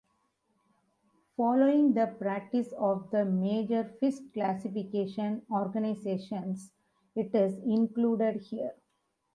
Following the practice of the major fish classification organizations, it is included here.